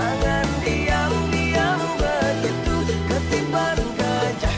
saya belum pernah nonton panggung musik kang aceh